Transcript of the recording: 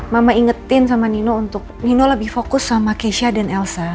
mama ingetin sama nino untuk nino lebih fokus sama keisha dan elsa